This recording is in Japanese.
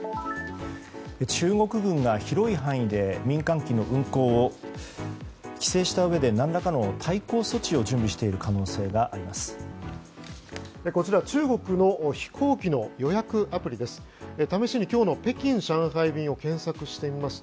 中国軍が広い範囲で民間機の運航を規制したうえで何らかの対抗措置を準備している可能性があります。